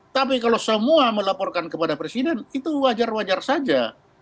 tapi kalau semua melaporkan kepada presiden itu wajar wajar saja